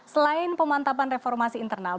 selain pemantapan reformasi internal